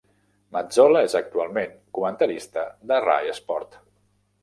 Mazzola és actualment comentarista de Rai Sport.